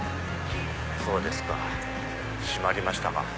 そうですか閉まりましたか。